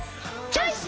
チョイス！